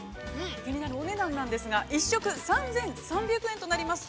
◆気になるお値段なんですが、１食３３００円となります。